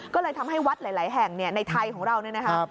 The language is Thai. ก็เลยทำให้วัดหลายแห่งในไทยของเราเนี่ยนะคะ